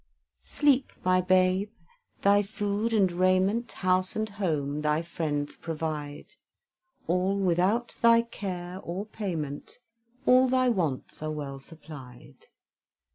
Sleep, my babe, thy food and raiment, House and home, thy friends provide; All without thy care, or payment, All thy wants are well supplied.